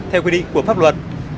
theo quy định của pháp luật